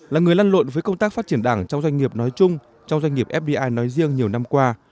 là người lăn lộn với công tác phát triển đảng trong doanh nghiệp nói chung trong doanh nghiệp fdi nói riêng nhiều năm qua